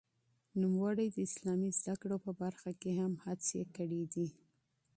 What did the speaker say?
نوموړي د اسلامي زده کړو په برخه کې هم هڅې کړې دي.